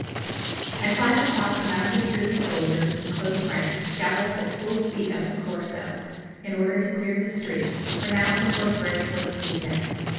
"At five o'clock a mounted troop of soldiers, in close rank, galloped at full speed up the Corso, in order to clear the street, for now the horse race was to begin.